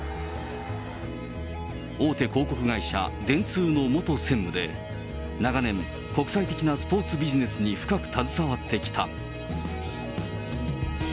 大手広告会社、電通の元専務で、長年、国際的なスポーツビジネスに深く携わってきた。